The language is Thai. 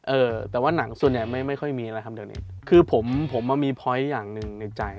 เออแต่ว่าหนังส่วนใหญ่ไม่ไม่ค่อยมีอะไรครับเดี๋ยวนี้คือผมผมมามีพอยต์อย่างหนึ่งในใจ